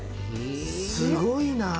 すごいなあ！